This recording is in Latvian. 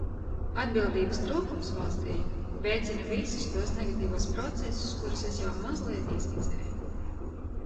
Atbildības trūkums valstī veicina visus tos negatīvos procesus, kurus es jau mazliet ieskicēju.